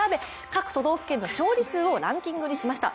各都道府県の勝利数をランキングにしました。